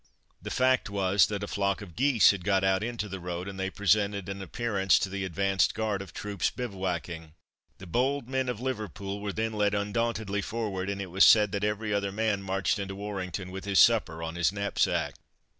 The fact was that a flock of geese had got out into the road, and they presented an appearance to the advanced guard of troops bivouacking. The bold men of Liverpool were then led undauntedly forward, and it was said that every other man marched into Warrington with his supper on his knapsack.